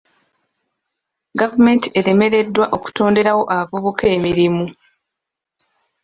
Gavumenti eremereddwa okutonderawo abavubuka emirimu.